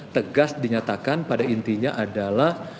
tegas dinyatakan pada intinya adalah